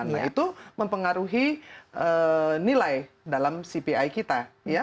nah itu mempengaruhi nilai dalam cpi kita